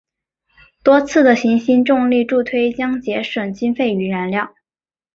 多次的行星重力助推将节省经费与燃料。